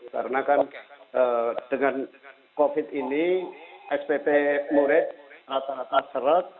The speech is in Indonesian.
karena kan dengan covid ini spp murid rata rata seret